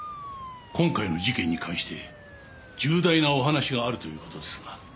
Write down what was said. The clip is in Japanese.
今回の事件に関して重大なお話があるという事ですが。